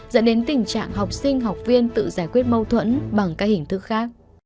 dẫn đến tình trạng học sinh học viên tự giải quyết mâu thuẫn bằng các hình thức khác